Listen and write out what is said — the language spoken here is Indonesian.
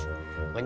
eh lu bantuin